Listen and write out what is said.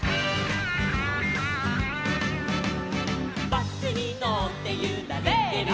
「バスにのってゆられてる」せの！